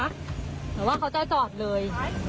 แต่ว่าเค้าจะจอดเลย